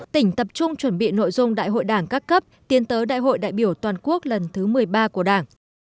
tỉnh tập trung chuẩn bị nội dung đại hội đảng các cấp tiến tới đại hội đại biểu toàn quốc lần thứ một mươi ba của đảng